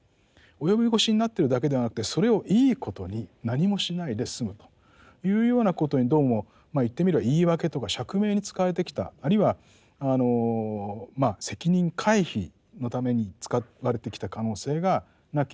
及び腰になってるだけではなくてそれをいいことに何もしないで済むというようなことにどうも言ってみれば言い訳とか釈明に使われてきたあるいは責任回避のために使われてきた可能性がなきにしもあらずだった。